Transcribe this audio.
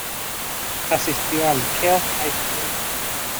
Asistió al Kell High School.